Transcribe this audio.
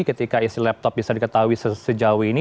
ketika isi laptop bisa diketahui sejauh ini